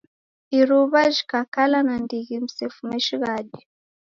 Iruw'a jhikakala nandighi msefume shighadi.